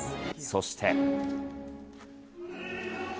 そして。